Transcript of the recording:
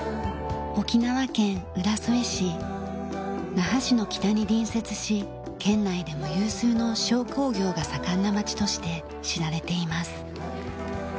那覇市の北に隣接し県内でも有数の商工業が盛んな町として知られています。